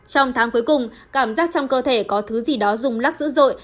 trong tháng cuối cùng cảm giác trong cơ thể có thứ gì đó dùng lắc dữ dội